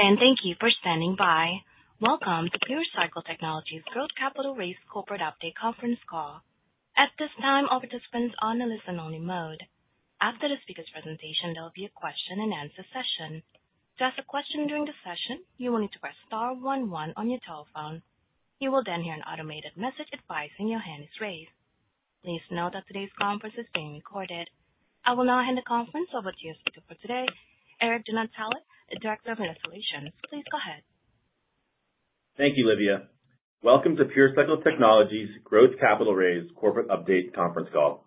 Thank you for standing by. Welcome to PureCycle Technologies Growth Capital Raise Corporate Update Conference Call. At this time, all participants are on a listen-only mode. After the speaker's presentation, there will be a question-and-answer session. To ask a question during the session, you will need to press star one one on your telephone. You will then hear an automated message advising your hand is raised. Please note that today's conference is being recorded. I will now hand the conference over to your speaker for today, Eric DeNatale, the Director of Investor Relations. Please go ahead. Thank you, Livia. Welcome to PureCycle Technologies Growth Capital Raise Corporate Update Conference Call.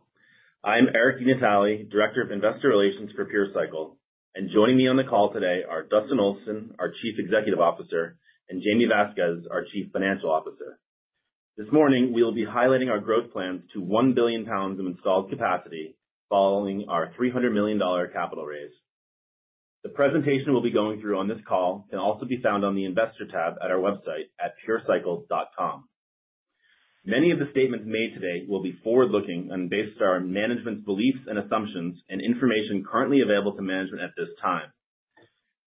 I'm Eric DeNatale, Director of Investor Relations for PureCycle, and joining me on the call today are Dustin Olson, our Chief Executive Officer, and Jaime Vasquez, our Chief Financial Officer. This morning, we will be highlighting our growth plans to 1 billion lbs of installed capacity following our $300 million capital raise. The presentation we'll be going through on this call can also be found on the Investor tab at our website at purecycle.com. Many of the statements made today will be forward-looking and based on management's beliefs and assumptions and information currently available to management at this time.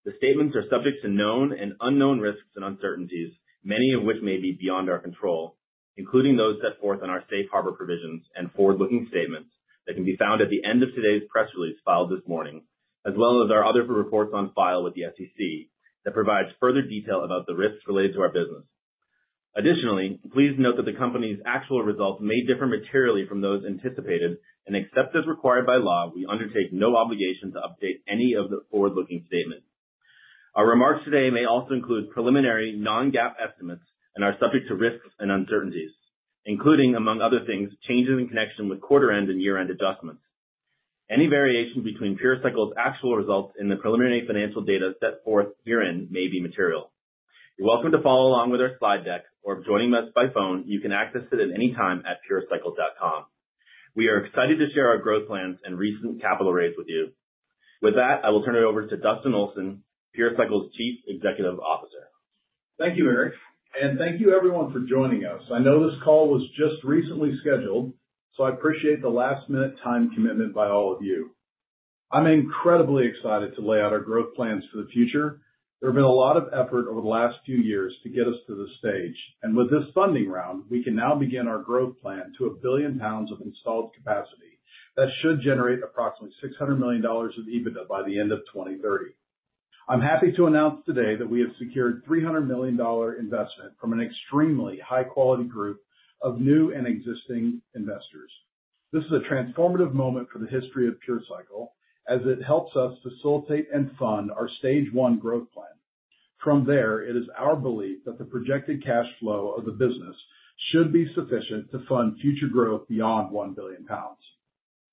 The statements are subject to known and unknown risks and uncertainties, many of which may be beyond our control, including those set forth in our safe harbor provisions and forward-looking statements that can be found at the end of today's press release filed this morning, as well as our other reports on file with the SEC that provide further detail about the risks related to our business. Additionally, please note that the company's actual results may differ materially from those anticipated, and except as required by law, we undertake no obligation to update any of the forward-looking statements. Our remarks today may also include preliminary non-GAAP estimates and are subject to risks and uncertainties, including, among other things, changes in connection with quarter-end and year-end adjustments. Any variation between PureCycle's actual results and the preliminary financial data set forth year-end may be material. You're welcome to follow along with our slide deck, or if joining us by phone, you can access it at any time at purecycle.com. We are excited to share our growth plans and recent capital raise with you. With that, I will turn it over to Dustin Olson, PureCycle's Chief Executive Officer. Thank you, Eric, and thank you, everyone, for joining us. I know this call was just recently scheduled, so I appreciate the last-minute time commitment by all of you. I'm incredibly excited to lay out our growth plans for the future. There have been a lot of effort over the last few years to get us to this stage, and with this funding round, we can now begin our growth plan to a billion pounds of installed capacity that should generate approximately $600 million of EBITDA by the end of 2030. I'm happy to announce today that we have secured a $300 million investment from an extremely high-quality group of new and existing investors. This is a transformative moment for the history of PureCycle as it helps us facilitate and fund our stage one growth plan. From there, it is our belief that the projected cash flow of the business should be sufficient to fund future growth beyond 1 billion lbs.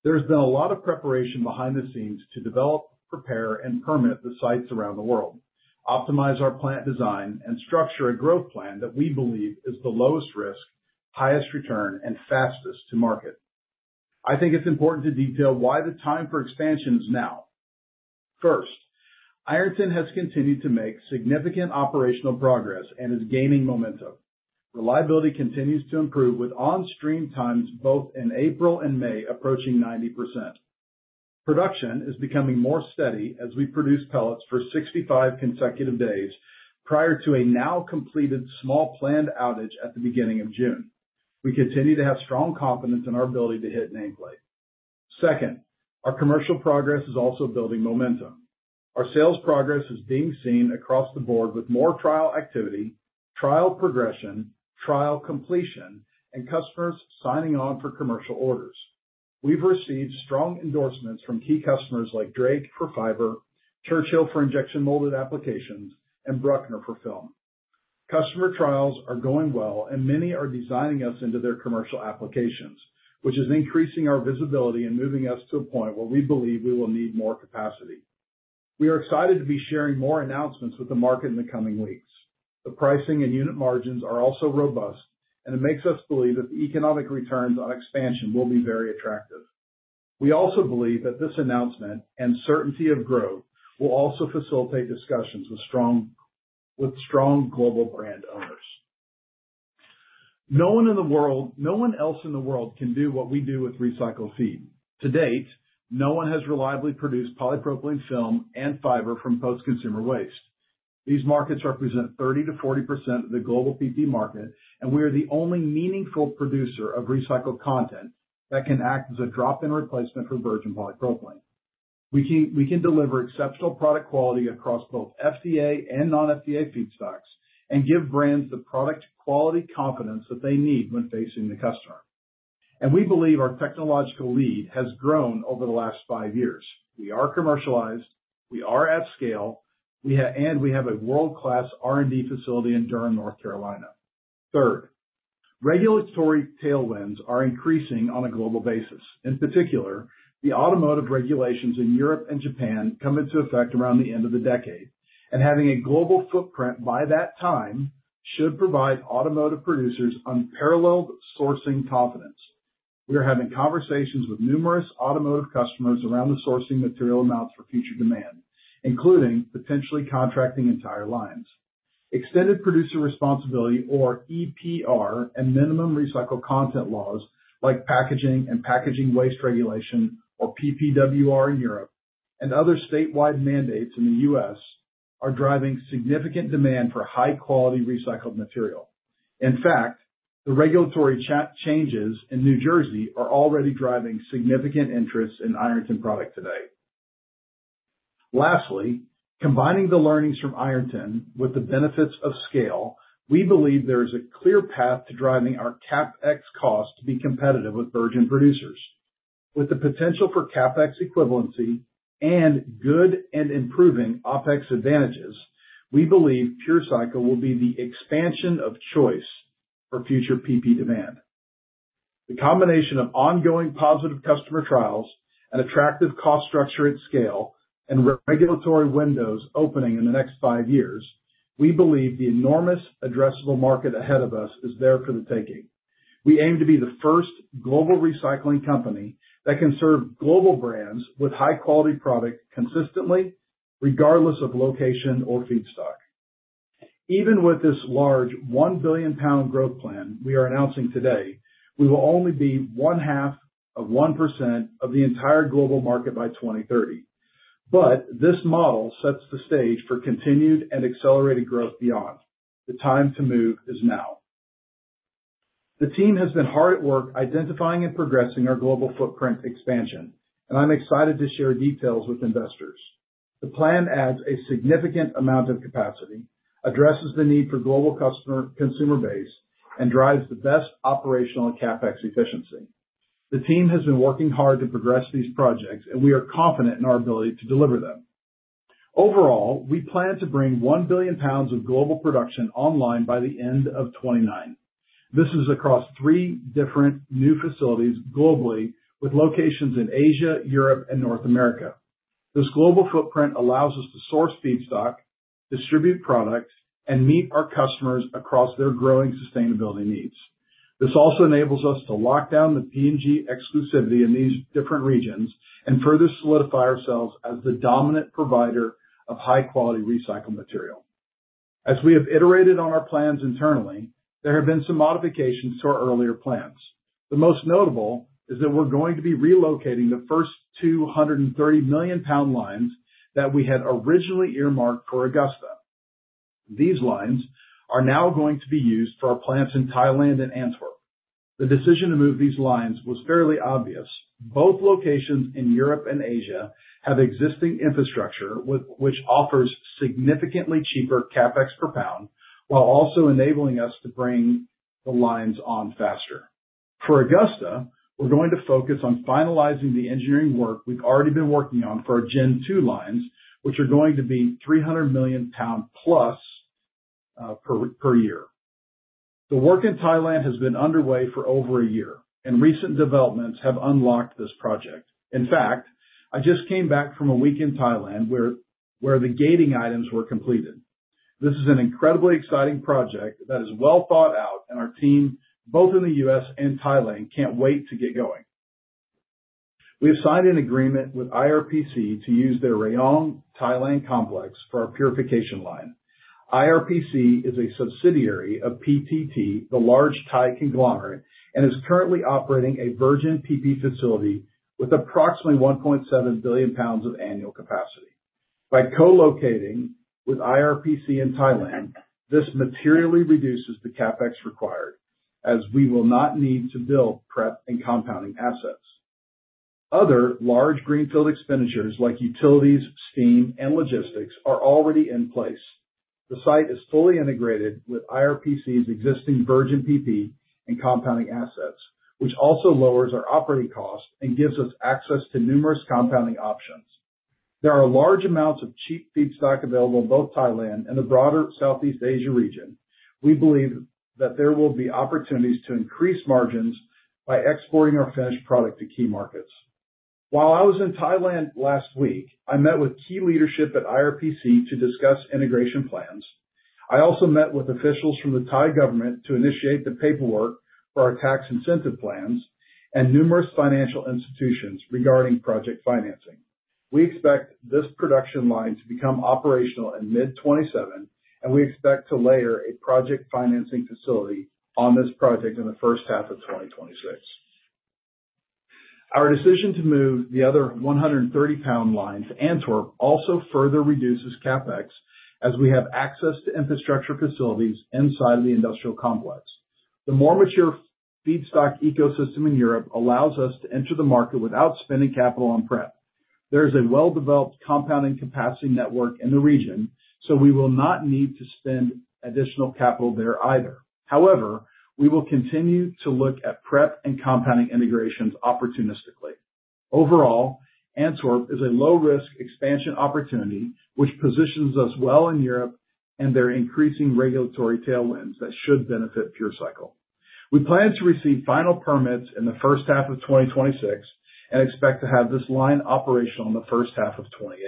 There has been a lot of preparation behind the scenes to develop, prepare, and permit the sites around the world, optimize our plant design, and structure a growth plan that we believe is the lowest risk, highest return, and fastest to market. I think it's important to detail why the time for expansion is now. First, Ironton has continued to make significant operational progress and is gaining momentum. Reliability continues to improve with on-stream times both in April and May approaching 90%. Production is becoming more steady as we produce pellets for 65 consecutive days prior to a now-completed small planned outage at the beginning of June. We continue to have strong confidence in our ability to hit nameplate. Second, our commercial progress is also building momentum. Our sales progress is being seen across the board with more trial activity, trial progression, trial completion, and customers signing on for commercial orders. We have received strong endorsements from key customers like Drake for fiber, Churchill for injection molded applications, and Bruckner for film. Customer trials are going well, and many are designing us into their commercial applications, which is increasing our visibility and moving us to a point where we believe we will need more capacity. We are excited to be sharing more announcements with the market in the coming weeks. The pricing and unit margins are also robust, and it makes us believe that the economic returns on expansion will be very attractive. We also believe that this announcement and certainty of growth will also facilitate discussions with strong global brand owners. No one else in the world can do what we do with recycled feed. To date, no one has reliably produced polypropylene film and fiber from post-consumer waste. These markets represent 30%-40% of the global PP market, and we are the only meaningful producer of recycled content that can act as a drop-in replacement for virgin polypropylene. We can deliver exceptional product quality across both FDA and non-FDA feedstocks and give brands the product quality confidence that they need when facing the customer. We believe our technological lead has grown over the last five years. We are commercialized. We are at scale, and we have a world-class R&D facility in Durham, North Carolina. Third, regulatory tailwinds are increasing on a global basis. In particular, the automotive regulations in Europe and Japan come into effect around the end of the decade, and having a global footprint by that time should provide automotive producers unparalleled sourcing confidence. We are having conversations with numerous automotive customers around the sourcing material amounts for future demand, including potentially contracting entire lines. Extended producer responsibility, or EPR, and minimum recycled content laws like packaging and packaging waste regulation, or PPWR in Europe, and other statewide mandates in the U.S. are driving significant demand for high-quality recycled material. In fact, the regulatory changes in New Jersey are already driving significant interest in Ironton product today. Lastly, combining the learnings from Ironton with the benefits of scale, we believe there is a clear path to driving our CapEx cost to be competitive with virgin producers. With the potential for CapEx equivalency and good and improving OpEx advantages, we believe PureCycle will be the expansion of choice for future PP demand. The combination of ongoing positive customer trials and attractive cost structure at scale and regulatory windows opening in the next five years, we believe the enormous addressable market ahead of us is there for the taking. We aim to be the first global recycling company that can serve global brands with high-quality product consistently, regardless of location or feedstock. Even with this large 1 billion lbs growth plan we are announcing today, we will only be one half of 1% of the entire global market by 2030. This model sets the stage for continued and accelerated growth beyond. The time to move is now. The team has been hard at work identifying and progressing our global footprint expansion, and I'm excited to share details with investors. The plan adds a significant amount of capacity, addresses the need for global customer consumer base, and drives the best operational CapEx efficiency. The team has been working hard to progress these projects, and we are confident in our ability to deliver them. Overall, we plan to bring 1 billion lbs of global production online by the end of 2029. This is across three different new facilities globally with locations in Asia, Europe, and North America. This global footprint allows us to source feedstock, distribute product, and meet our customers across their growing sustainability needs. This also enables us to lock down the P&G exclusivity in these different regions and further solidify ourselves as the dominant provider of high-quality recycled material. As we have iterated on our plans internally, there have been some modifications to our earlier plans. The most notable is that we're going to be relocating the first 230 million lbs lines that we had originally earmarked for Augusta. These lines are now going to be used for our plants in Thailand and Antwerp. The decision to move these lines was fairly obvious. Both locations in Europe and Asia have existing infrastructure which offers significantly cheaper CapEx per pound while also enabling us to bring the lines on faster. For Augusta, we're going to focus on finalizing the engineering work we've already been working on for our Gen 2 lines, which are going to be 300 million lbs plus per year. The work in Thailand has been underway for over a year, and recent developments have unlocked this project. In fact, I just came back from a week in Thailand where the gating items were completed. This is an incredibly exciting project that is well thought out, and our team, both in the U.S. and Thailand, can't wait to get going. We have signed an agreement with IRPC to use their Rayong, Thailand complex for our purification line. IRPC is a subsidiary of PTT, the large Thai conglomerate, and is currently operating a virgin PP facility with approximately 1.7 billion lbs of annual capacity. By co-locating with IRPC in Thailand, this materially reduces the CapEx required, as we will not need to build prep and compounding assets. Other large greenfield expenditures like utilities, steam, and logistics are already in place. The site is fully integrated with IRPC's existing virgin PP and compounding assets, which also lowers our operating costs and gives us access to numerous compounding options. There are large amounts of cheap feedstock available in both Thailand and the broader Southeast Asia region. We believe that there will be opportunities to increase margins by exporting our finished product to key markets. While I was in Thailand last week, I met with key leadership at IRPC to discuss integration plans. I also met with officials from the Thai government to initiate the paperwork for our tax incentive plans and numerous financial institutions regarding project financing. We expect this production line to become operational in mid-2027, and we expect to layer a project financing facility on this project in the first half of 2026. Our decision to move the other 130 million lbs line to Antwerp also further reduces CapEx as we have access to infrastructure facilities inside of the industrial complex. The more mature feedstock ecosystem in Europe allows us to enter the market without spending capital on prep. There is a well-developed compounding capacity network in the region, so we will not need to spend additional capital there either. However, we will continue to look at prep and compounding integrations opportunistically. Overall, Antwerp is a low-risk expansion opportunity which positions us well in Europe and their increasing regulatory tailwinds that should benefit PureCycle. We plan to receive final permits in the first half of 2026 and expect to have this line operational in the first half of 2028.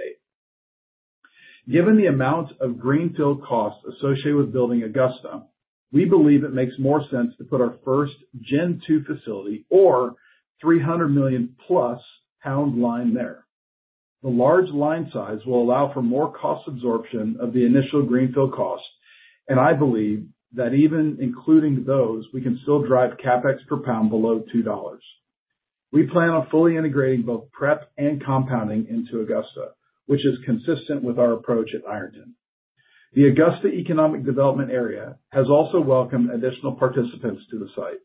Given the amount of greenfield costs associated with building Augusta, we believe it makes more sense to put our first Gen 2 facility or 300 million plus lbs line there. The large line size will allow for more cost absorption of the initial greenfield cost, and I believe that even including those, we can still drive CapEx per pound below $2. We plan on fully integrating both prep and compounding into Augusta, which is consistent with our approach at Ironton. The Augusta Economic Development Area has also welcomed additional participants to the site,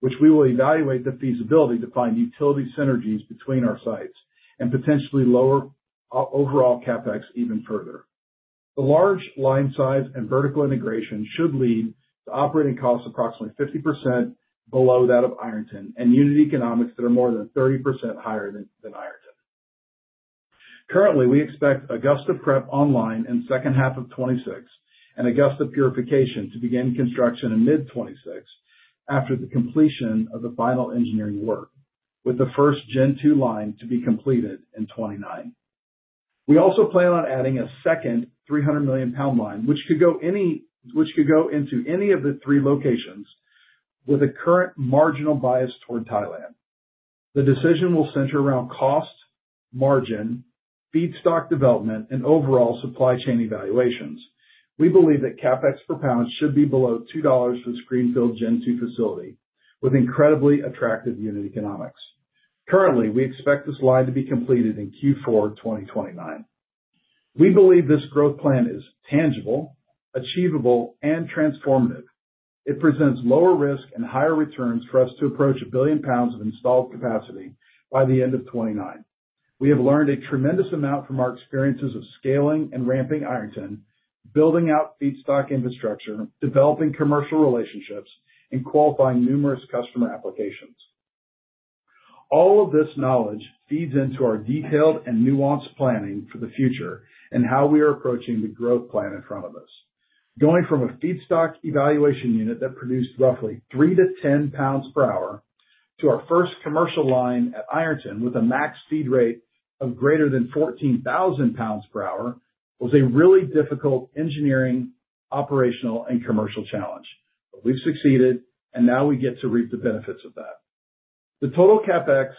which we will evaluate the feasibility to find utility synergies between our sites and potentially lower overall CapEx even further. The large line size and vertical integration should lead to operating costs approximately 50% below that of Ironton and unit economics that are more than 30% higher than Ironton. Currently, we expect Augusta prep online in the second half of 2026 and Augusta purification to begin construction in mid-2026 after the completion of the final engineering work, with the first Gen 2 line to be completed in 2029. We also plan on adding a second 300 million lbs line, which could go into any of the three locations with a current marginal bias toward Thailand. The decision will center around cost, margin, feedstock development, and overall supply chain evaluations. We believe that CapEx per pound should be below $2 for the screenfield Gen 2 facility with incredibly attractive unit economics. Currently, we expect this line to be completed in Q4 2029. We believe this growth plan is tangible, achievable, and transformative. It presents lower risk and higher returns for us to approach a billion pounds of installed capacity by the end of 2029. We have learned a tremendous amount from our experiences of scaling and ramping Ironton, building out feedstock infrastructure, developing commercial relationships, and qualifying numerous customer applications. All of this knowledge feeds into our detailed and nuanced planning for the future and how we are approaching the growth plan in front of us. Going from a feedstock evaluation unit that produced roughly 3 lbs-10 lbs per hour to our first commercial line at Ironton with a max feed rate of greater than 14,000 lbs per hour was a really difficult engineering, operational, and commercial challenge. We have succeeded, and now we get to reap the benefits of that. The total CapEx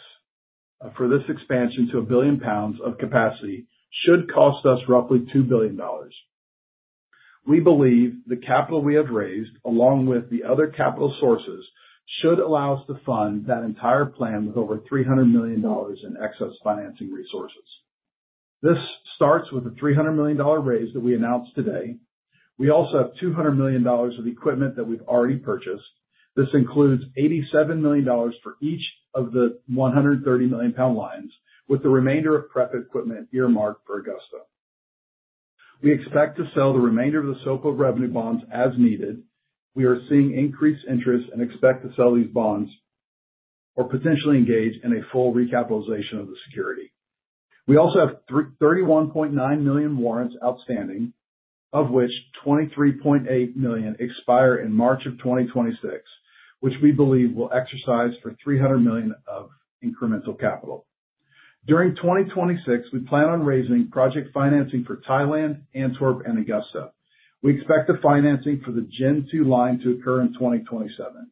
for this expansion to a billion pounds of capacity should cost us roughly $2 billion. We believe the capital we have raised, along with the other capital sources, should allow us to fund that entire plan with over $300 million in excess financing resources. This starts with a $300 million raise that we announced today. We also have $200 million of equipment that we've already purchased. This includes $87 million for each of the 130 million lb lines, with the remainder of prep equipment earmarked for Augusta. We expect to sell the remainder of the SOPA Revenue Bonds as needed. We are seeing increased interest and expect to sell these bonds or potentially engage in a full recapitalization of the security. We also have 31.9 million warrants outstanding, of which 23.8 million expire in March of 2026, which we believe will exercise for $300 million of incremental capital. During 2026, we plan on raising project financing for Thailand, Antwerp, and Augusta. We expect the financing for the Gen 2 line to occur in 2027.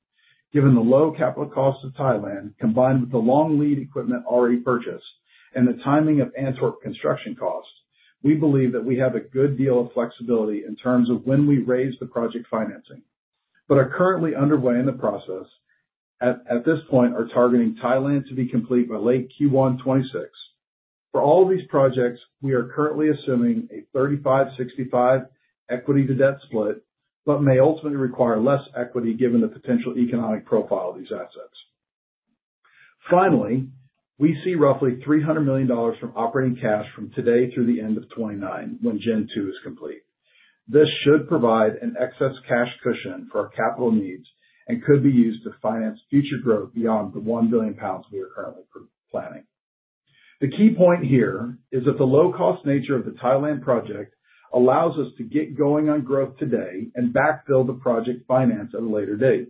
Given the low capital costs of Thailand, combined with the long lead equipment already purchased, and the timing of Antwerp construction costs, we believe that we have a good deal of flexibility in terms of when we raise the project financing. We are currently underway in the process. At this point, we are targeting Thailand to be complete by late Q1 2026. For all of these projects, we are currently assuming a 35%-65% equity-to-debt split, but may ultimately require less equity given the potential economic profile of these assets. Finally, we see roughly $300 million from operating cash from today through the end of 2029 when Gen 2 is complete. This should provide an excess cash cushion for our capital needs and could be used to finance future growth beyond the 1 billion lbs we are currently planning. The key point here is that the low-cost nature of the Thailand project allows us to get going on growth today and backfill the project finance at a later date,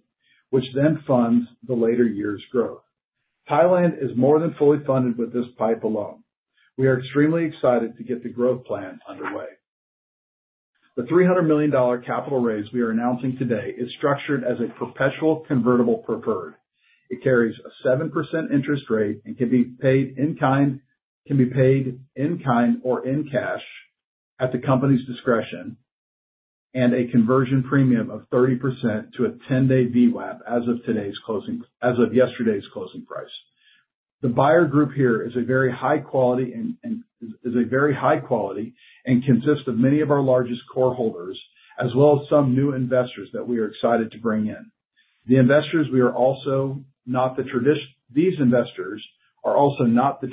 which then funds the later year's growth. Thailand is more than fully funded with this pipe alone. We are extremely excited to get the growth plan underway. The $300 million capital raise we are announcing today is structured as a perpetual convertible preferred. It carries a 7% interest rate and can be paid in kind or in cash at the company's discretion, and a conversion premium of 30% to a 10-day VWAP as of yesterday's closing price. The buyer group here is a very high quality and consists of many of our largest core holders, as well as some new investors that we are excited to bring in. These investors are also not the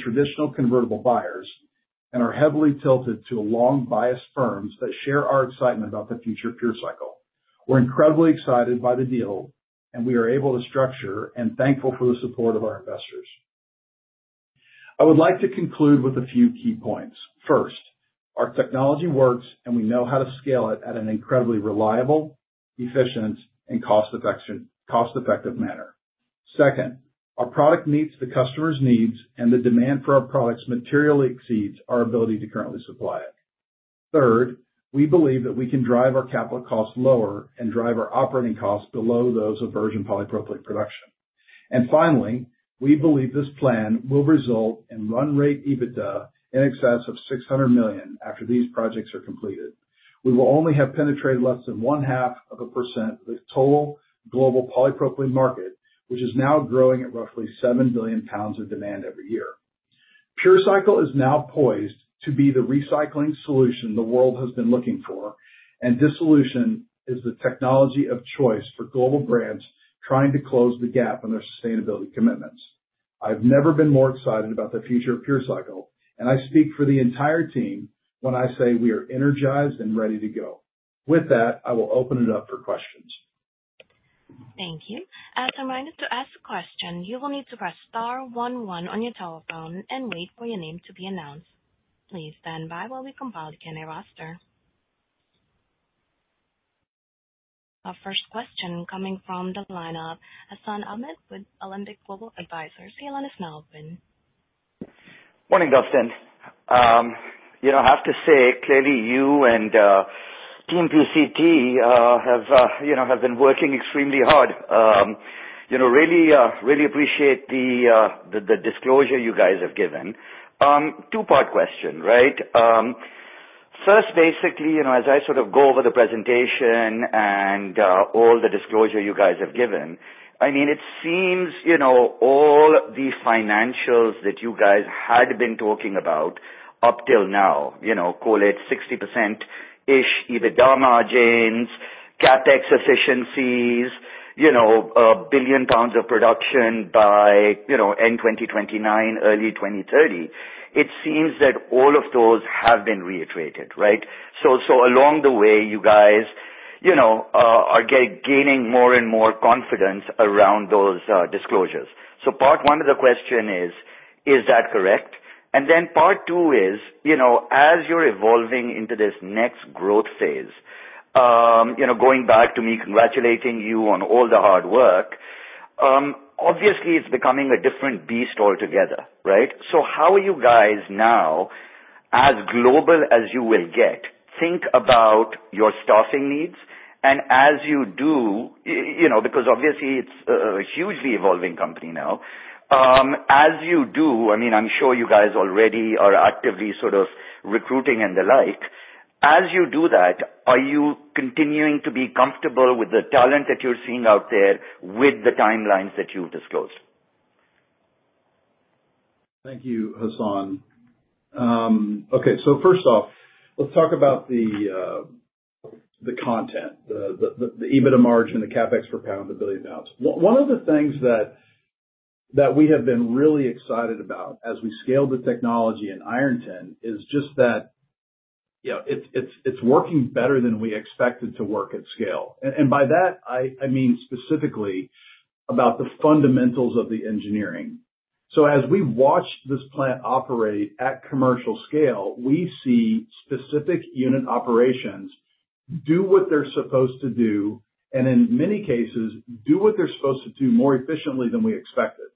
traditional convertible buyers and are heavily tilted to long-biased firms that share our excitement about the future PureCycle. We're incredibly excited by the deal, and we are able to structure and thankful for the support of our investors. I would like to conclude with a few key points. First, our technology works, and we know how to scale it at an incredibly reliable, efficient, and cost-effective manner. Second, our product meets the customer's needs, and the demand for our products materially exceeds our ability to currently supply it. Third, we believe that we can drive our capital costs lower and drive our operating costs below those of virgin polypropylene production. Finally, we believe this plan will result in run rate EBITDA in excess of $600 million after these projects are completed. We will only have penetrated less than 0.5% of the total global polypropylene market, which is now growing at roughly 7 billion lbs of demand every year. PureCycle is now poised to be the recycling solution the world has been looking for, and this solution is the technology of choice for global brands trying to close the gap on their sustainability commitments. I've never been more excited about the future of PureCycle, and I speak for the entire team when I say we are energized and ready to go. With that, I will open it up for questions. Thank you. As a reminder to ask a question, you will need to press star one one on your telephone and wait for your name to be announced. Please stand by while we compile the candidate roster. Our first question coming from the lineup, Hassan Ahmed with Alembic Global Advisors. He'll let us know when. Morning, Dustin. You know, I have to say, clearly, you and Team PCT have been working extremely hard. Really appreciate the disclosure you guys have given. Two-part question, right? First, basically, as I sort of go over the presentation and all the disclosure you guys have given, I mean, it seems all the financials that you guys had been talking about up till now, call it 60%-ish EBITDA margins, CapEx efficiencies, a billion pounds of production by end 2029, early 2030, it seems that all of those have been reiterated, right? Along the way, you guys are gaining more and more confidence around those disclosures. Part one of the question is, is that correct? Part two is, as you're evolving into this next growth phase, going back to me congratulating you on all the hard work, obviously, it's becoming a different beast altogether, right? How are you guys now, as global as you will get, thinking about your staffing needs? As you do, because obviously, it's a hugely evolving company now, as you do, I mean, I'm sure you guys already are actively sort of recruiting and the like. As you do that, are you continuing to be comfortable with the talent that you're seeing out there with the timelines that you've disclosed? Thank you, Hassan. Okay, first off, let's talk about the content, the EBITDA margin, the CapEx per pound, the billion pounds. One of the things that we have been really excited about as we scale the technology in Ironton is just that it's working better than we expected to work at scale. By that, I mean specifically about the fundamentals of the engineering. As we watch this plant operate at commercial scale, we see specific unit operations do what they're supposed to do, and in many cases, do what they're supposed to do more efficiently than we expected.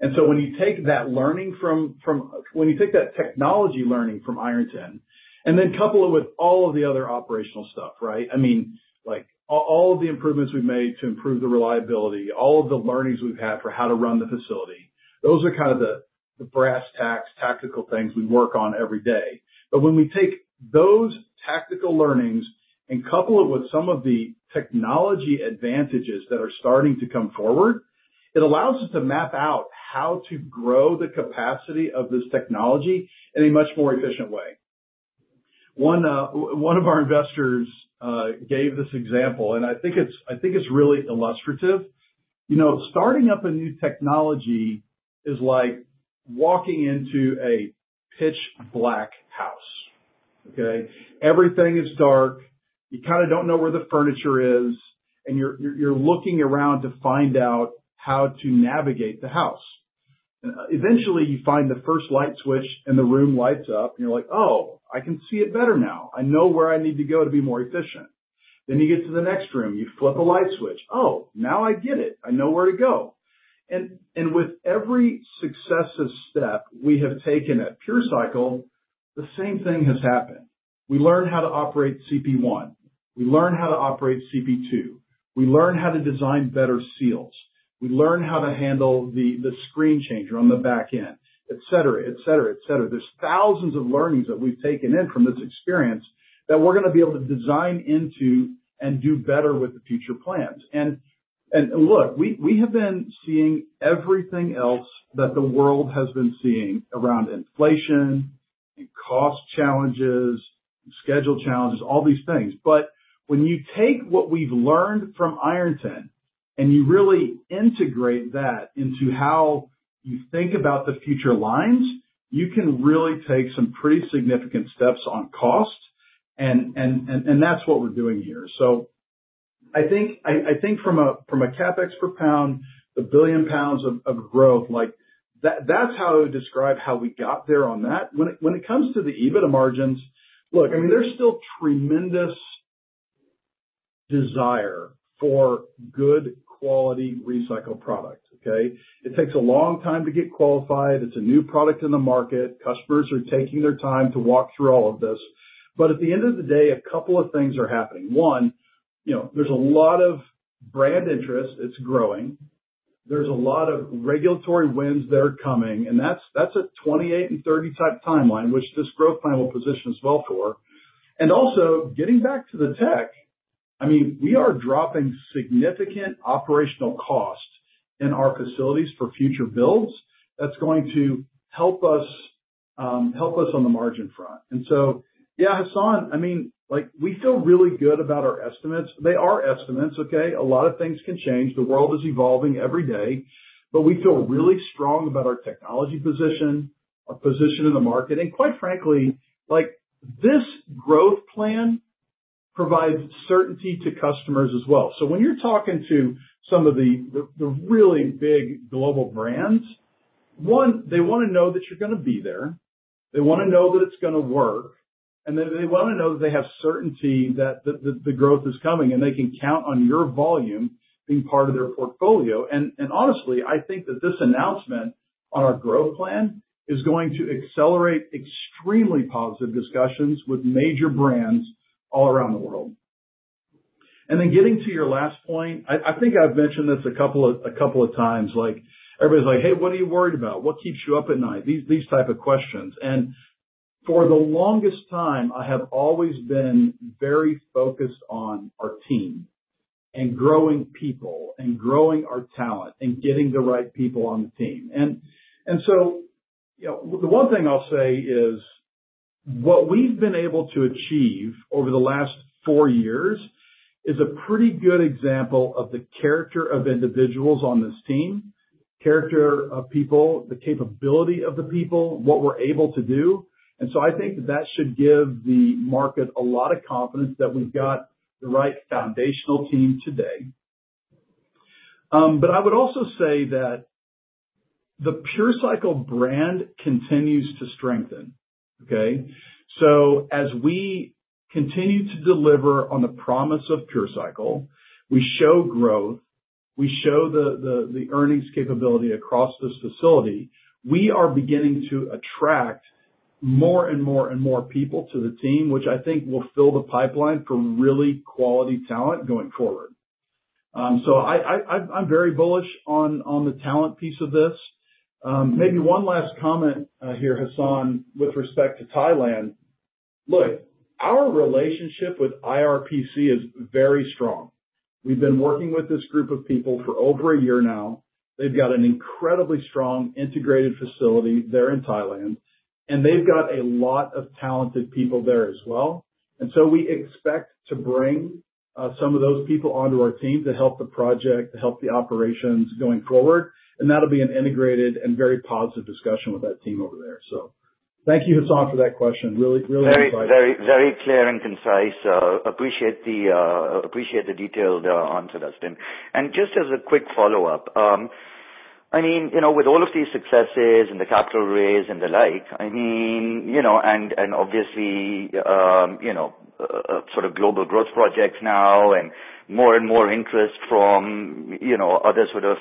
When you take that learning from Ironton and then couple it with all of the other operational stuff, right? I mean, all of the improvements we've made to improve the reliability, all of the learnings we've had for how to run the facility, those are kind of the brass tacks, tactical things we work on every day. When we take those tactical learnings and couple it with some of the technology advantages that are starting to come forward, it allows us to map out how to grow the capacity of this technology in a much more efficient way. One of our investors gave this example, and I think it is really illustrative. Starting up a new technology is like walking into a pitch-black house. Okay? Everything is dark. You kind of do not know where the furniture is, and you are looking around to find out how to navigate the house. Eventually, you find the first light switch, and the room lights up, and you are like, "Oh, I can see it better now. I know where I need to go to be more efficient." You get to the next room. You flip a light switch. "Oh, now I get it. I know where to go. With every successive step we have taken at PureCycle, the same thing has happened. We learned how to operate CP1. We learned how to operate CP2. We learned how to design better seals. We learned how to handle the screen changer on the back end, etc., etc., etc. There are thousands of learnings that we've taken in from this experience that we're going to be able to design into and do better with the future plans. Look, we have been seeing everything else that the world has been seeing around inflation and cost challenges, schedule challenges, all these things. When you take what we've learned from Ironton and you really integrate that into how you think about the future lines, you can really take some pretty significant steps on cost, and that's what we're doing here. I think from a CapEx per pound, a billion pounds of growth, that's how I would describe how we got there on that. When it comes to the EBITDA margins, look, I mean, there's still tremendous desire for good quality recycled product, okay? It takes a long time to get qualified. It's a new product in the market. Customers are taking their time to walk through all of this. At the end of the day, a couple of things are happening. One, there's a lot of brand interest. It's growing. There's a lot of regulatory winds that are coming, and that's a 2028 and 2030 type timeline, which this growth plan will position us well for. Also, getting back to the tech, I mean, we are dropping significant operational costs in our facilities for future builds that's going to help us on the margin front. Yeah, Hassan, I mean, we feel really good about our estimates. They are estimates, okay? A lot of things can change. The world is evolving every day. We feel really strong about our technology position, our position in the market. Quite frankly, this growth plan provides certainty to customers as well. When you're talking to some of the really big global brands, one, they want to know that you're going to be there. They want to know that it's going to work, and then they want to know that they have certainty that the growth is coming, and they can count on your volume being part of their portfolio. Honestly, I think that this announcement on our growth plan is going to accelerate extremely positive discussions with major brands all around the world. Then getting to your last point, I think I've mentioned this a couple of times. Everybody's like, "Hey, what are you worried about? What keeps you up at night?" These type of questions. For the longest time, I have always been very focused on our team and growing people and growing our talent and getting the right people on the team. The one thing I'll say is what we've been able to achieve over the last four years is a pretty good example of the character of individuals on this team, character of people, the capability of the people, what we're able to do. I think that that should give the market a lot of confidence that we've got the right foundational team today. I would also say that the PureCycle brand continues to strengthen, okay? As we continue to deliver on the promise of PureCycle, we show growth, we show the earnings capability across this facility, we are beginning to attract more and more people to the team, which I think will fill the pipeline for really quality talent going forward. I'm very bullish on the talent piece of this. Maybe one last comment here, Hassan, with respect to Thailand. Look, our relationship with IRPC is very strong. We've been working with this group of people for over a year now. They've got an incredibly strong integrated facility there in Thailand, and they've got a lot of talented people there as well. We expect to bring some of those people onto our team to help the project, to help the operations going forward, and that'll be an integrated and very positive discussion with that team over there. Thank you, Hassan, for that question. Really excited. Very clear and concise. Appreciate the detailed answer, Dustin. Just as a quick follow-up, I mean, with all of these successes and the capital raise and the like, I mean, and obviously sort of global growth projects now and more and more interest from other sort of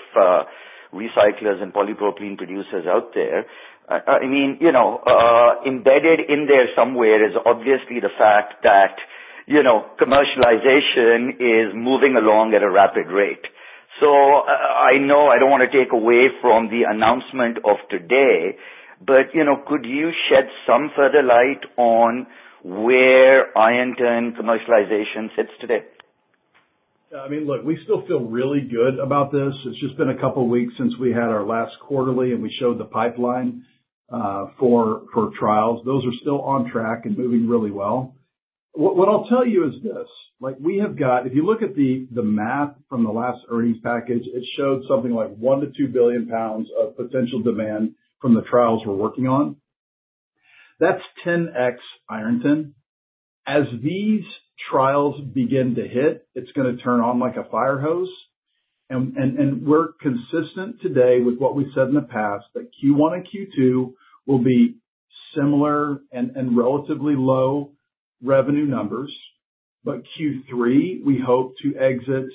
recyclers and polypropylene producers out there, I mean, embedded in there somewhere is obviously the fact that commercialization is moving along at a rapid rate. I know I do not want to take away from the announcement of today, but could you shed some further light on where Ironton commercialization sits today? Yeah. I mean, look, we still feel really good about this. It has just been a couple of weeks since we had our last quarterly, and we showed the pipeline for trials. Those are still on track and moving really well. What I'll tell you is this. If you look at the map from the last earnings package, it showed something like 1 billion lbs-2 billion lbs of potential demand from the trials we're working on. That's 10x Ironton. As these trials begin to hit, it's going to turn on like a fire hose. We're consistent today with what we've said in the past that Q1 and Q2 will be similar and relatively low revenue numbers, but Q3, we hope to exit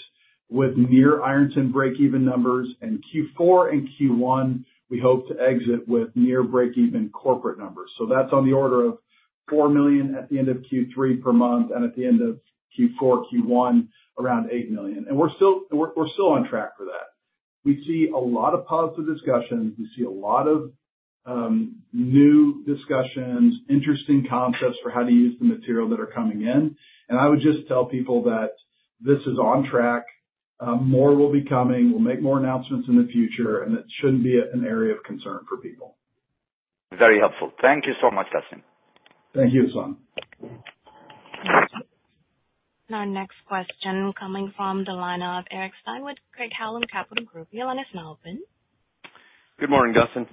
with near Ironton break-even numbers, and Q4 and Q1, we hope to exit with near break-even corporate numbers. That's on the order of $4 million at the end of Q3 per month, and at the end of Q4, Q1, around $8 million. We're still on track for that. We see a lot of positive discussions. We see a lot of new discussions, interesting concepts for how to use the material that are coming in. I would just tell people that this is on track. More will be coming. We'll make more announcements in the future, and it shouldn't be an area of concern for people. Very helpful. Thank you so much, Dustin. Thank you, Hassan. Our next question coming from the line of Eric Stine with Craig-Hallum Capital Group. You'll let us know when. Good morning, Dustin.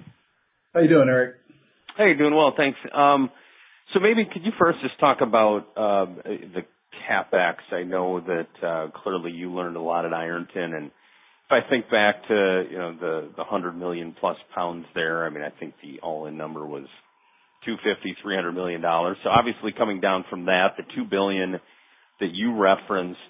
How are you doing, Eric? Hey, doing well. Thanks. Maybe could you first just talk about the CapEx? I know that clearly you learned a lot at Ironton. If I think back to the 100 million plus lbs there, I mean, I think the all-in number was $250 million-$300 million. Obviously, coming down from that, the $2 billion that you referenced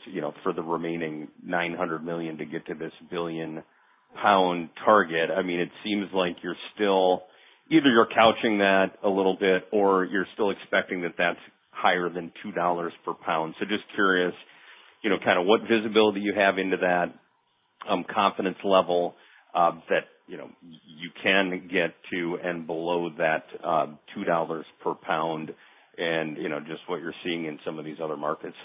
for the remaining $900 million to get to this billion-pound target, I mean, it seems like you're still either you're couching that a little bit or you're still expecting that that's higher than $2 per pound. Just curious kind of what visibility you have into that confidence level that you can get to and below that $2 per pound and just what you're seeing in some of these other markets.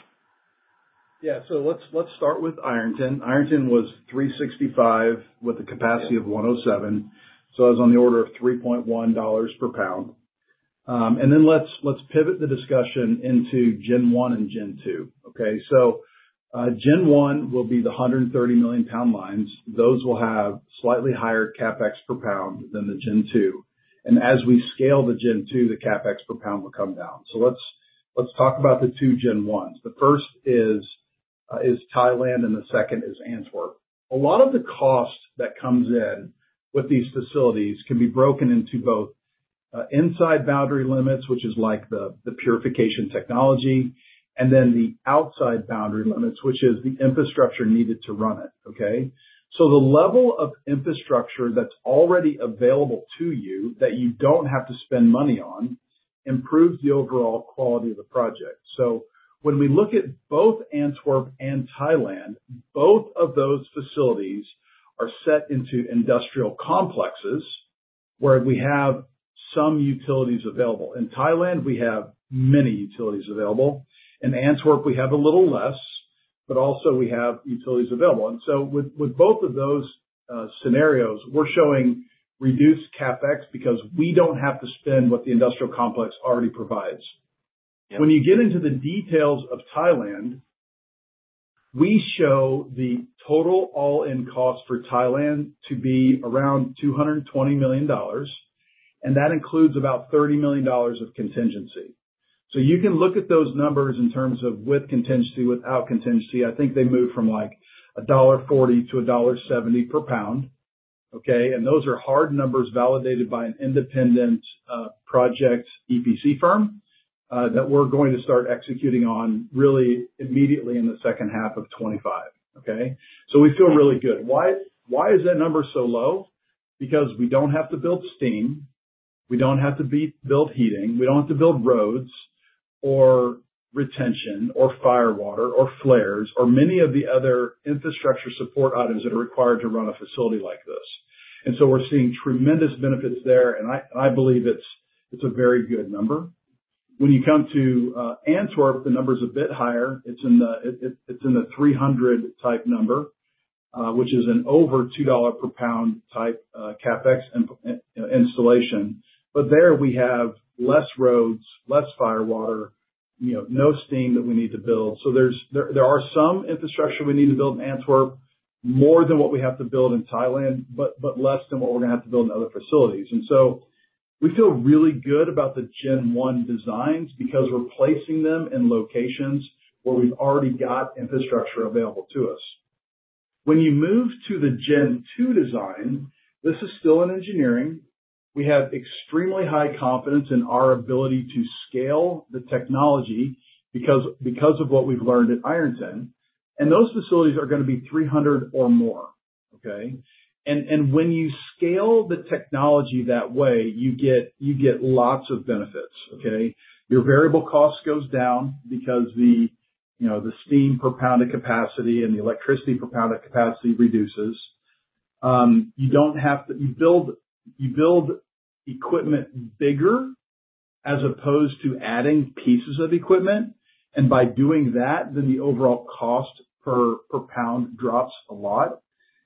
Yeah. Let's start with Ironton. Ironton was $365 million with a capacity of 107 million. So it was on the order of $3.1 per pound. Then let's pivot the discussion into Gen 1 and Gen 2, okay? Gen 1 will be the 130 million lb lines. Those will have slightly higher CapEx per pound than the Gen 2. As we scale the Gen 2, the CapEx per pound will come down. Let's talk about the two Gen 1s. The first is Thailand, and the second is Antwerp. A lot of the cost that comes in with these facilities can be broken into both inside boundary limits, which is like the purification technology, and then the outside boundary limits, which is the infrastructure needed to run it, okay? The level of infrastructure that's already available to you that you do not have to spend money on improves the overall quality of the project. When we look at both Antwerp and Thailand, both of those facilities are set into industrial complexes where we have some utilities available. In Thailand, we have many utilities available. In Antwerp, we have a little less, but also we have utilities available. With both of those scenarios, we're showing reduced CapEx because we don't have to spend what the industrial complex already provides. When you get into the details of Thailand, we show the total all-in cost for Thailand to be around $220 million, and that includes about $30 million of contingency. You can look at those numbers in terms of with contingency, without contingency. I think they moved from like $1.40-$1.70 per pound, okay? Those are hard numbers validated by an independent project EPC firm that we're going to start executing on really immediately in the second half of 2025, okay? We feel really good. Why is that number so low? Because we don't have to build steam. We don't have to build heating. We do not have to build roads or retention or firewater or flares or many of the other infrastructure support items that are required to run a facility like this. We are seeing tremendous benefits there, and I believe it is a very good number. When you come to Antwerp, the number is a bit higher. It is in the 300 type number, which is an over $2 per pound type CapEx installation. There we have less roads, less firewater, no steam that we need to build. There is some infrastructure we need to build in Antwerp, more than what we have to build in Thailand, but less than what we are going to have to build in other facilities. We feel really good about the Gen 1 designs because we are placing them in locations where we have already got infrastructure available to us. When you move to the Gen 2 design, this is still in engineering. We have extremely high confidence in our ability to scale the technology because of what we've learned at Ironton. Those facilities are going to be 300 or more, okay? When you scale the technology that way, you get lots of benefits, okay? Your variable cost goes down because the steam per pound of capacity and the electricity per pound of capacity reduces. You do not have to build equipment bigger as opposed to adding pieces of equipment. By doing that, the overall cost per pound drops a lot.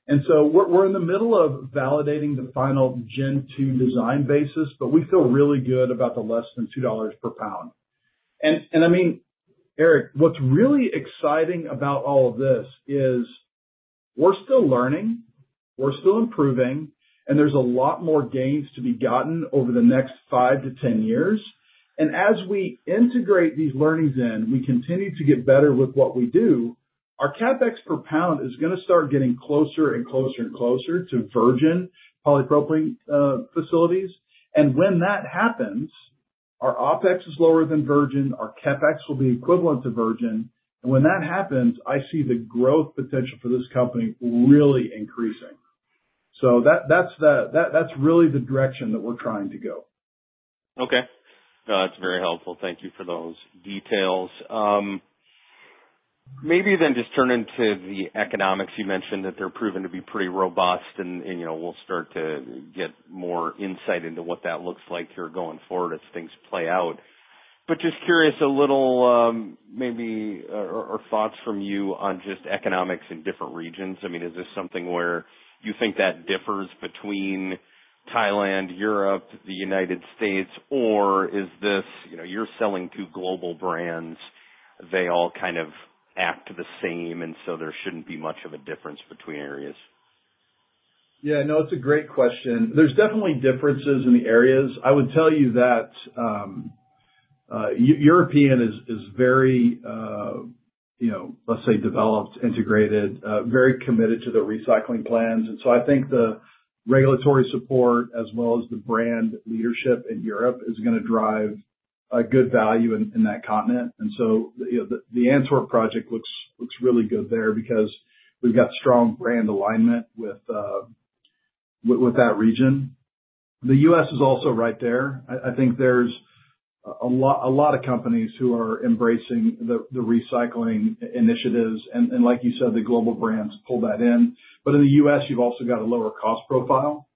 We are in the middle of validating the final Gen 2 design basis, but we feel really good about the less than $2 per pound. I mean, Eric, what is really exciting about all of this is we are still learning. We're still improving, and there's a lot more gains to be gotten over the next five to 10 years. As we integrate these learnings in, we continue to get better with what we do. Our CapEx per pound is going to start getting closer and closer and closer to virgin polypropylene facilities. When that happens, our OpEx is lower than virgin. Our CapEx will be equivalent to virgin. When that happens, I see the growth potential for this company really increasing. That's really the direction that we're trying to go. Okay. That's very helpful. Thank you for those details. Maybe then just turn into the economics. You mentioned that they're proven to be pretty robust, and we'll start to get more insight into what that looks like here going forward as things play out. Just curious a little maybe or thoughts from you on just economics in different regions. I mean, is this something where you think that differs between Thailand, Europe, the United States, or is this you're selling to global brands, they all kind of act the same, and so there should not be much of a difference between areas? Yeah. No, it is a great question. There are definitely differences in the areas. I would tell you that European is very, let's say, developed, integrated, very committed to the recycling plans. I think the regulatory support as well as the brand leadership in Europe is going to drive good value in that continent. The Antwerp project looks really good there because we have strong brand alignment with that region. The U.S. is also right there. I think there are a lot of companies who are embracing the recycling initiatives. Like you said, the global brands pull that in. In the U.S., you've also got a lower cost profile.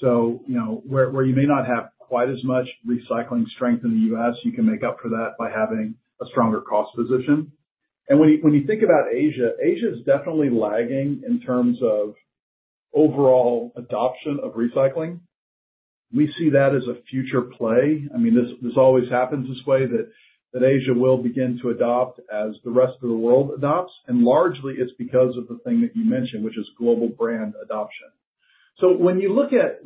Where you may not have quite as much recycling strength in the U.S., you can make up for that by having a stronger cost position. When you think about Asia, Asia is definitely lagging in terms of overall adoption of recycling. We see that as a future play. I mean, this always happens this way that Asia will begin to adopt as the rest of the world adopts. Largely, it's because of the thing that you mentioned, which is global brand adoption. When you look at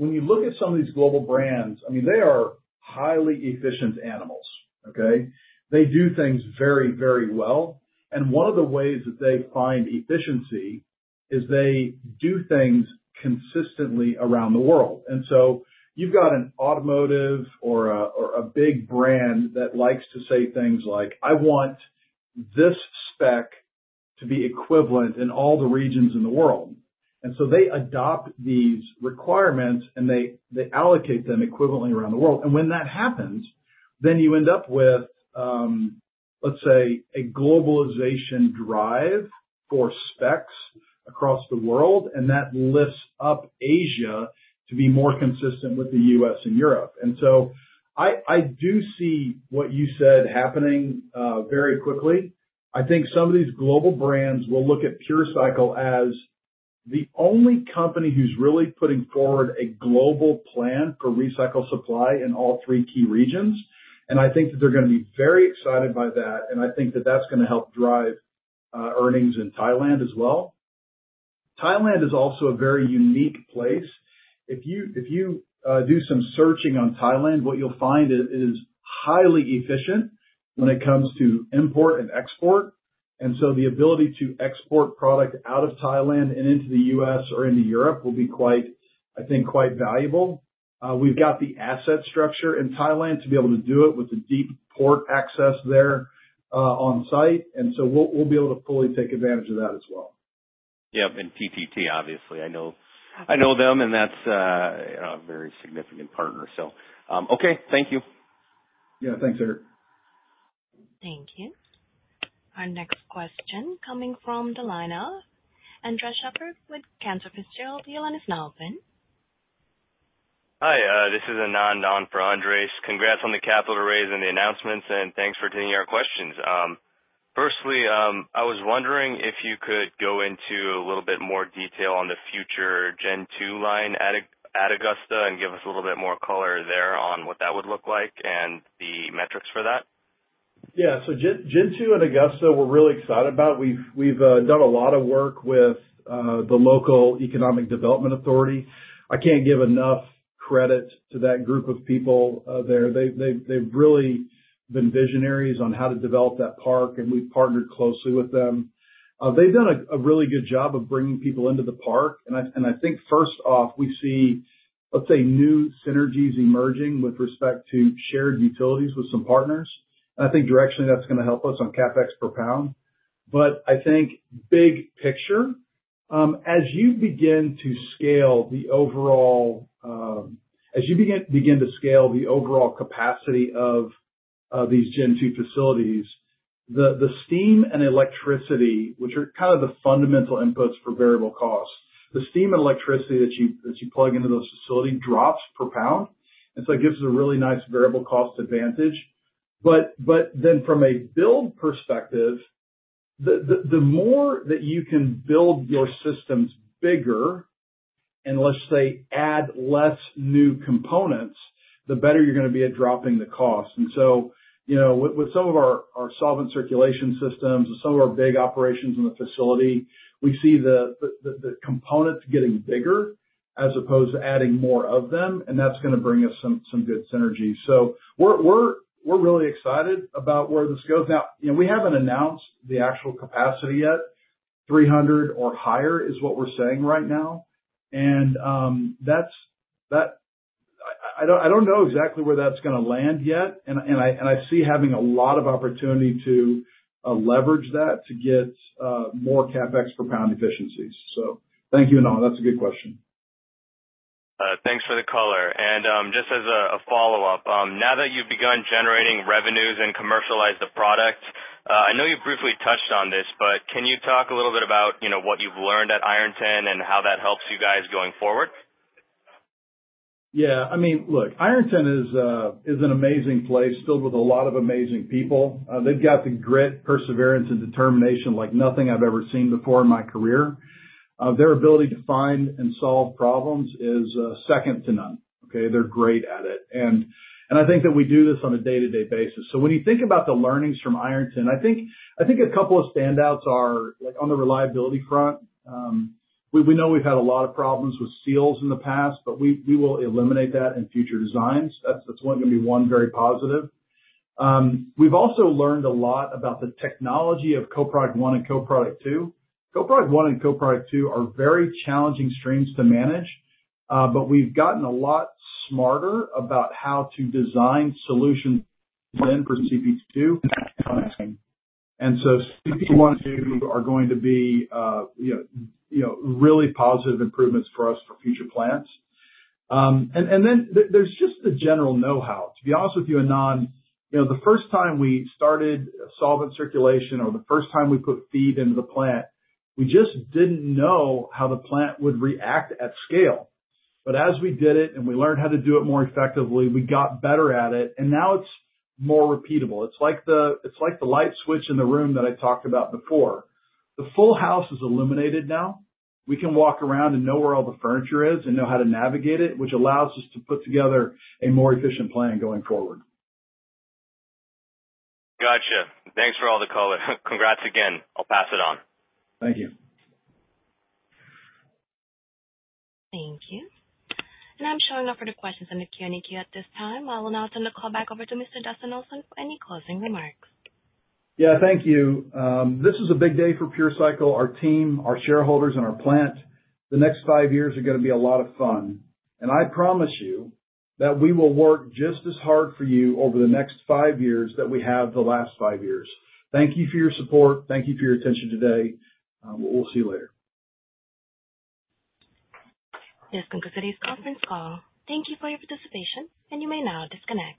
some of these global brands, I mean, they are highly efficient animals, okay? They do things very, very well. One of the ways that they find efficiency is they do things consistently around the world. You have got an automotive or a big brand that likes to say things like, "I want this spec to be equivalent in all the regions in the world." They adopt these requirements, and they allocate them equivalently around the world. When that happens, you end up with, let's say, a globalization drive for specs across the world, and that lifts up Asia to be more consistent with the U.S. and Europe. I do see what you said happening very quickly. I think some of these global brands will look at PureCycle as the only company who is really putting forward a global plan for recycled supply in all three key regions. I think that they are going to be very excited by that. I think that is going to help drive earnings in Thailand as well. Thailand is also a very unique place. If you do some searching on Thailand, what you'll find is highly efficient when it comes to import and export. The ability to export product out of Thailand and into the U.S. or into Europe will be, I think, quite valuable. We've got the asset structure in Thailand to be able to do it with the deep port access there on site. We'll be able to fully take advantage of that as well. Yeah. And TTT, obviously. I know them, and that's a very significant partner. Okay. Thank you. Yeah. Thanks, Eric. Thank you. Our next question coming from the line of Andres Sheppard with Cantor Fitzgerald, your line is now open. Hi. This is Anand on for Andres. Congrats on the capital raise and the announcements, and thanks for taking our questions. Firstly, I was wondering if you could go into a little bit more detail on the future Gen 2 line at Augusta and give us a little bit more color there on what that would look like and the metrics for that. Yeah. Gen 2 at Augusta, we're really excited about. We've done a lot of work with the local economic development authority. I can't give enough credit to that group of people there. They've really been visionaries on how to develop that park, and we've partnered closely with them. They've done a really good job of bringing people into the park. I think, first off, we see, let's say, new synergies emerging with respect to shared utilities with some partners. I think, directionally, that's going to help us on CapEx per pound. I think, big picture, as you begin to scale the overall capacity of these Gen 2 facilities, the steam and electricity, which are kind of the fundamental inputs for variable cost, the steam and electricity that you plug into those facilities drops per pound. It gives you a really nice variable cost advantage. From a build perspective, the more that you can build your systems bigger and, let's say, add less new components, the better you're going to be at dropping the cost. With some of our solvent circulation systems and some of our big operations in the facility, we see the components getting bigger as opposed to adding more of them, and that's going to bring us some good synergy. We're really excited about where this goes. Now, we have not announced the actual capacity yet. 300 or higher is what we are saying right now. I do not know exactly where that is going to land yet. I see having a lot of opportunity to leverage that to get more CapEx per pound efficiencies. Thank you, Anand. That is a good question. Thanks for the color. Just as a follow-up, now that you have begun generating revenues and commercialized the product, I know you briefly touched on this, but can you talk a little bit about what you have learned at Ironton and how that helps you guys going forward? Yeah. I mean, look, Ironton is an amazing place filled with a lot of amazing people. They have got the grit, perseverance, and determination like nothing I have ever seen before in my career. Their ability to find and solve problems is second to none, okay? They are great at it. I think that we do this on a day-to-day basis. When you think about the learnings from Ironton, I think a couple of standouts are on the reliability front. We know we've had a lot of problems with seals in the past, but we will eliminate that in future designs. That is going to be one very positive. We have also learned a lot about the technology of co-product 1 and co-product 2. Co-product 1 and co-product 2 are very challenging streams to manage, but we've gotten a lot smarter about how to design solutions then for CP2. CP1 and CP2 are going to be really positive improvements for us for future plants. There is just the general know-how. To be honest with you, Anand, the first time we started solvent circulation or the first time we put feed into the plant, we just did not know how the plant would react at scale. As we did it and we learned how to do it more effectively, we got better at it. Now it is more repeatable. It is like the light switch in the room that I talked about before. The full house is illuminated now. We can walk around and know where all the furniture is and know how to navigate it, which allows us to put together a more efficient plan going forward. Gotcha. Thanks for all the color. Congrats again. I will pass it on. Thank you. Thank you. I am showing no further questions on the Q&A queue at this time. I will now turn the call back over to Mr. Dustin Olson for any closing remarks. Yeah. Thank you. This is a big day for PureCycle. Our team, our shareholders, and our plant, the next five years are going to be a lot of fun. I promise you that we will work just as hard for you over the next five years that we have the last five years. Thank you for your support. Thank you for your attention today. We'll see you later. This concludes today's conference call. Thank you for your participation, and you may now disconnect.